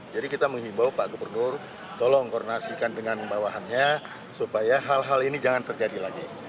jadi kita menghimbau pak gubernur tolong koordinasikan dengan bawahannya supaya hal hal ini jangan terjadi lagi